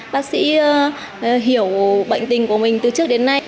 bác sĩ hiểu bệnh tình của mình từ trước đến nay